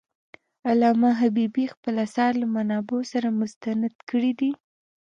علامه حبيبي خپل آثار له منابعو سره مستند کړي دي.